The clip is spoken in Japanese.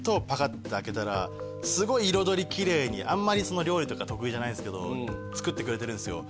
ッて開けたらすごい彩りきれいにあんまり料理とか得意じゃないんすけど作ってくれてるんすよ